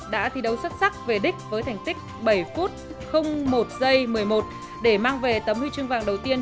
đã thi đấu xuất sắc về đích với thành tích bảy một mươi một để mang về tấm huy chương vàng đầu tiên